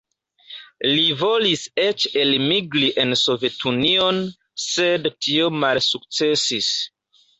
Li volis eĉ elmigri en Sovetunion, sed tio malsukcesis.